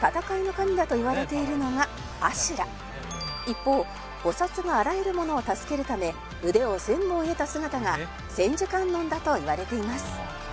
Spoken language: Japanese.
「一方菩薩があらゆるものを助けるため腕を千本得た姿が千手観音だといわれています」